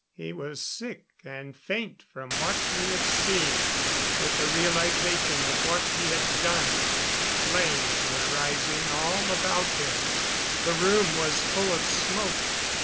He was sick and faint from what he had seen with the realization of what he had done. Flames were rising all about him. The room was full of smoke.